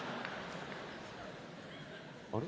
あれ？